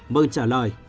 mừng trả lời